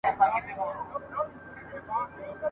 بوه لور ورته ناروغه سوه او مړه سوه ..